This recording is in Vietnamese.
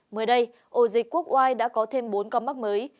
mới đây ổ dịch quốc oai đã có thêm bốn ca mắc mới